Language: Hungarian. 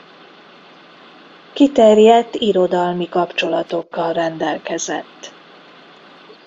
Kiterjedt irodalmi kapcsolatokkal rendelkezett.